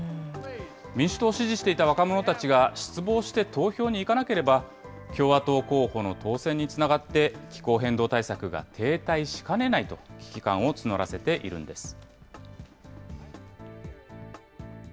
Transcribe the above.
民主党を支持していた若者たちが失望して投票に行かなければ、共和党候補の当選につながって、気候変動対策が停滞しかねないと危機感を募らせているんです。